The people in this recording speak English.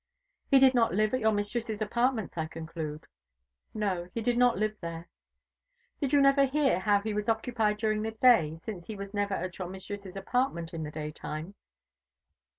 "He did not live at your mistress's apartments, I conclude?" "No, he did not live there." "Did you never hear how he was occupied during the day, since you say he was never at your mistress's apartment in the daytime?"